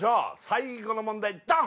最後の問題ドン！